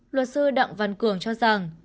luật sư đặng văn cường cho rằng